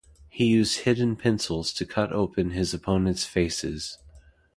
He used hidden pencils to cut open his opponent's faces.